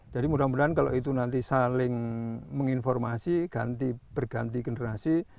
jadi mudah mudahan kalau itu nanti saling menginformasi berganti generasi